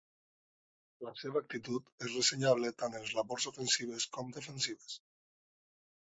La seua actitud és ressenyable tant en labors ofensives com defensives.